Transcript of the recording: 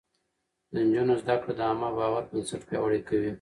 د نجونو زده کړه د عامه باور بنسټ پياوړی کوي.